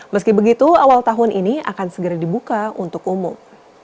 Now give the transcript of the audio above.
meski begitu awal tahun ini akan segera dibuka untuk umum